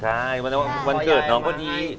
ใช่วันเกิดน้องก็ดี